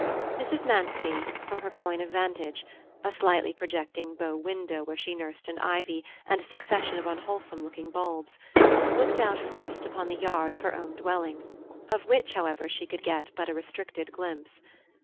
Mrs. Manstey, from her coign of vantage (a slightly projecting bow window where she nursed an ivy and a succession of unwholesome looking bulbs), looked out first upon the yard of her own dwelling, of which, however, she could get but a restricted glimpse.